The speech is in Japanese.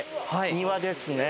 庭ですね。